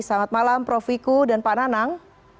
selamat malam prof wiku dan pak nanang